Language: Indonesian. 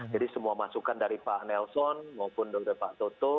jadi semua masukan dari pak nelson maupun dari pak toto